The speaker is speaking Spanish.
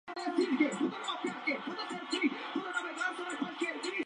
Tiene su sede en el "John Stanford Center for Educational Excellence" en Seattle.